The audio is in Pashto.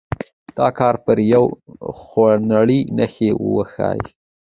دا کار پر یوې خونړۍ نښتې واوښت.